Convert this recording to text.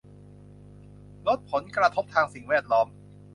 ลดผลกระทบทางสิ่งแวดล้อม